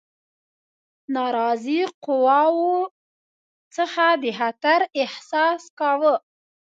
ناراضي قواوو څخه د خطر احساس کاوه.